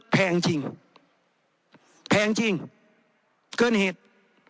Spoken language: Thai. ๑แพงจริงเกินเหตุ